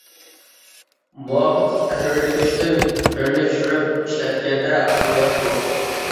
مۇۋاپىق تەھرىرلىگۈچتىن بىرنى چۈشۈرۈپ ئىشلەتكەندە قولايلىق بولىدۇ.